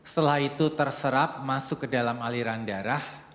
setelah itu terserap masuk ke dalam aliran darah